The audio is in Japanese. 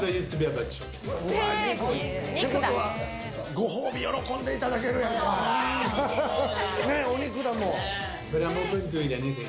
ご褒美、喜んでいただけるやんか。ね、お肉だもん。